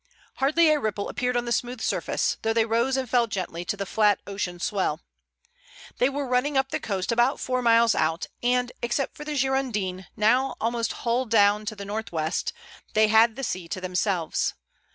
Hardly a ripple appeared on the smooth surface, though they rose and fell gently to the flat ocean swell. They were running up the coast about four miles out, and except for the Girondin, now almost hull down to the north west, they had the sea to themselves.